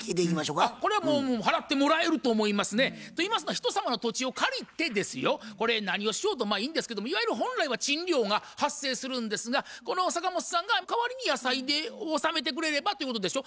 これはもう払ってもらえると思いますね。と言いますのは人様の土地を借りてですよこれ何をしようとまあいいんですけどいわゆる本来は賃料が発生するんですがこの坂本さんが代わりに野菜で納めてくれればということでしょ。